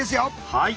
はい。